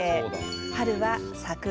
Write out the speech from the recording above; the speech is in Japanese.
春は桜。